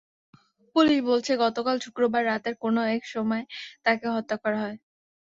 Police বলছে, গতকাল শুক্রবার রাতের কোনো একসময় তাঁকে হত্যা করা হয়।